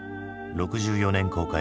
６４年公開